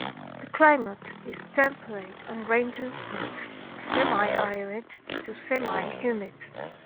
The climate is temperate and ranges from semi-arid to semi-humid.